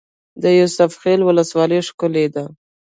د یوسف خیل ولسوالۍ ښکلې ده